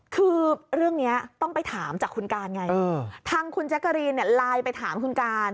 คือเรื่องนี้ต้องไปถามจากคุณการไงทางคุณแจ๊กกะรีนไลน์ไปถามคุณการ